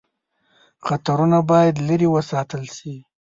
خطرونه باید لیري وساتل شي.